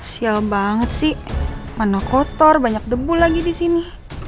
sial banget sih mana kotor banyak debu lagi disini